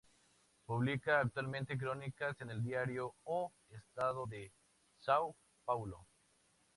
Publica actualmente crónicas en el diario "O Estado de São Paulo".